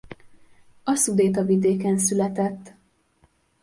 A Szudétavidéken született.